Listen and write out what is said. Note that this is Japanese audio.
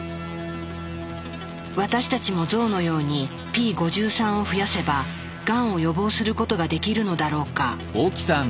私たちもゾウのようにｐ５３を増やせばがんを予防することができるのだろうか。